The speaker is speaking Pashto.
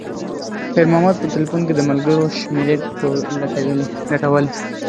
خیر محمد په تلیفون کې د ملګرو شمېرې لټولې.